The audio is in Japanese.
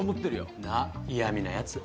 なっ嫌みなやつ。